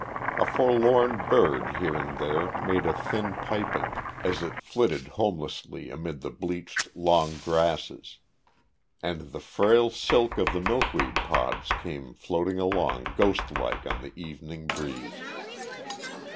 A forlorn bird here and there made a thin piping, as it flitted homelessly amid the bleached long grasses, and the frail silk of the milkweed pods came floating along ghostlike on the evening breeze.